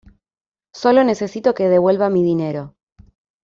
Solo necesito que devuelva mi dinero.